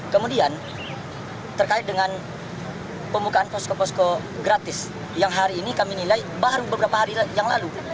kemudian terkait dengan pembukaan posko posko gratis yang hari ini kami nilai baru beberapa hari yang lalu